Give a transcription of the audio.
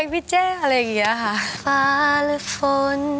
ฟ้าหรือฝน